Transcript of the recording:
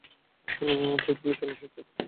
অইতো, উনি চলে এসেছেন!